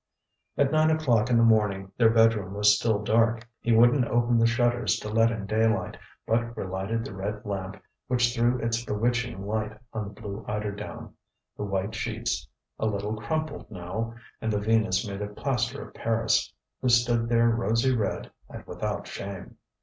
At nine oŌĆÖclock in the morning their bedroom was still dark. He wouldnŌĆÖt open the shutters to let in daylight, but re lighted the red lamp which threw its bewitching light on the blue eiderdown, the white sheets, a little crumpled now, and the Venus made of plaster of Paris, who stood there rosy red and without shame.